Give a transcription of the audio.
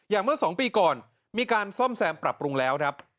เมื่อ๒ปีก่อนมีการซ่อมแซมปรับปรุงแล้วครับ